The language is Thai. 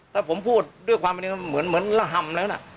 ถ้าผมพูดด้วยความเหมือนละห่ำแล้วนะ